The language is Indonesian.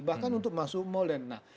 bahkan untuk masuk mall dan lain lain